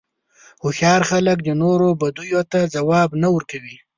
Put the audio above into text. هوښیار خلک د نورو بدیو ته ځواب نه ورکوي.